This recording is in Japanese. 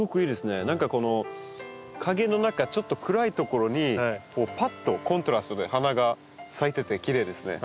何かこの陰の中ちょっと暗い所にぱっとコントラストで花が咲いててきれいですね。